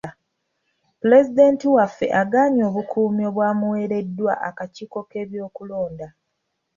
Pulezidenti waffe agaanye obukuumi obwamuweereddwa akakiiko k'ebyokulonda.